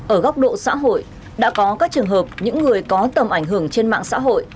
ở góc độ xã hội đã có các trường hợp những người có tầm ảnh hưởng trên mạng xã hội